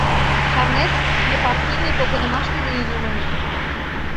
Шарнет, ме партийный погынымаште лийын улына.